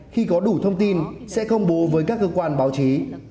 khi có đủ thông tin sẽ công bố với các cơ quan báo chí